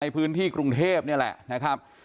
พื้นที่กรุงเทพนี่แหละนะครับ